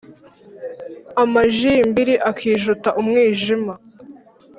Amajimbiri akijuta umwijima